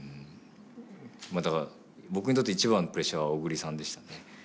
まあだから僕にとって一番のプレッシャーは小栗さんでしたね。